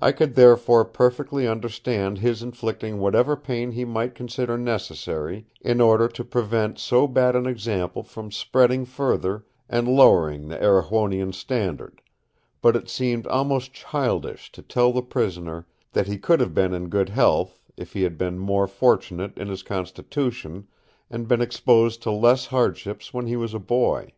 I could therefore perfectly understand his inflicting whatever pain he might consider necessary in order to prevent so bad an example from spreading further and lowering the Erewhonian standard; but it seemed almost childish to tell the prisoner that he could have been in good health, if he had been more fortunate in his constitution, and been exposed to less hardships when he was a boy.